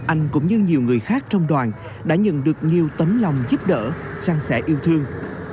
anh cũng như nhiều người khác trong đoàn đã nhận được nhiều tấm lòng giúp đỡ sang sẻ yêu thương